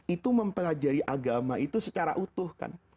itu mempelajari agama itu secara utuh kan